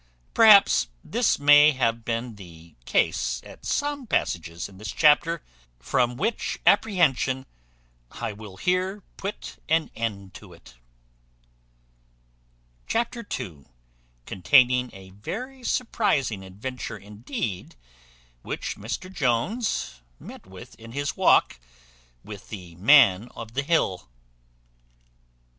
Perhaps this may have been the case at some passages in this chapter, from which apprehension I will here put an end to it. Chapter ii. Containing a very surprizing adventure indeed, which Mr Jones met with in his walk with the Man of the Hill.